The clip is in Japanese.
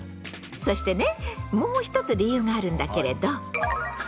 そしてねもう一つ理由があるんだけれど。